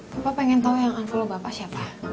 papa pengen tau yang unfollow bapak siapa